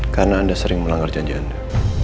karena anda sering melanggar janji anda